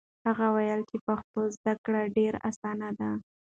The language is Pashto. هغه وویل چې پښتو زده کړه ډېره اسانه ده.